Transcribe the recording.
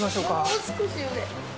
もう少し上。